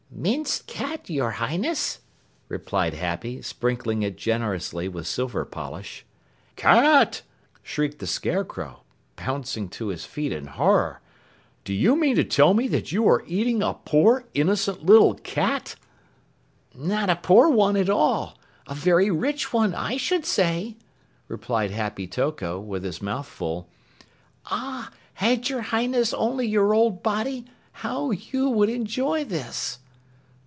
"Minced cat, your Highness," replied Happy, sprinkling it generously with silver polish. "Cat?" shrieked the Scarecrow, pouncing to his feet in horror. "Do you mean to tell me you are eating a poor, innocent, little cat?" "Not a poor one at all. A very rich one, I should say," replied Happy Toko with his mouth full. "Ah, had your Highness only your old body, how you would enjoy this!"